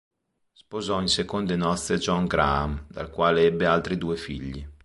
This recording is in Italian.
Sposò in seconde nozze John Graham dal quale ebbe altri due figli.